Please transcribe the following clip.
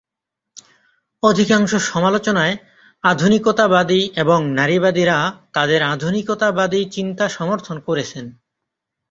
অধিকাংশ সমালোচনায় আধুনিকতাবাদী এবং নারীবাদীরা তাদের আধুনিকতাবাদী চিন্তা সমর্থন করেছেন।